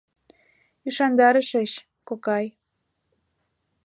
— Ӱшандарышыч, кокай...